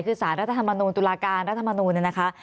คือสารรัฐธรรมนูลตุลาการรัฐมนูลเนี่ยนะคะ